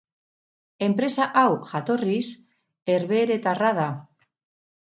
Enpresa hau, jatorriz, herbeheretarra da.